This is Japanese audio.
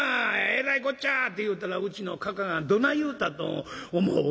えらいこっちゃ』って言うたらうちのかかあがどない言うたと思う？